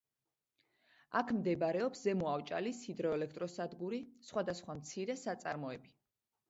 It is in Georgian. აქ მდებარეობს ზემო ავჭალის ჰიდროელექტროსადგური, სხვადასხვა მცირე საწარმოები.